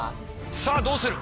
さあどうする。